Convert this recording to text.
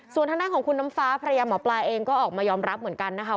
ส่วนทางด้านของคุณน้ำฟ้าภรรยาหมอปลาเองก็ออกมายอมรับเหมือนกันนะคะ